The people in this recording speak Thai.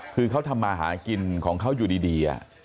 คือเขาทำมาหากินของเขาอยู่ดี